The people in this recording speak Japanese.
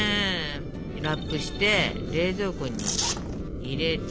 ラップして冷蔵庫に入れて。